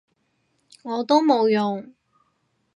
我都冇用